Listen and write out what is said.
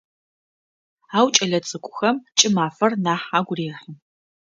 Ау кӏэлэцӏыкӏухэм кӏымафэр нахь агу рехьы.